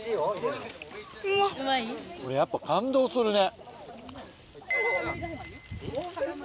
これやっぱ感動するね。